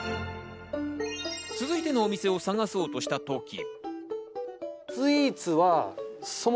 続いてのお店を探そうとしたとき。